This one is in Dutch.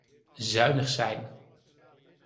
Zuinig zijn.